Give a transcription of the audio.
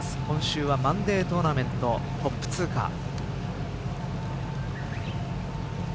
今週はマンデートーナメントトップ通過。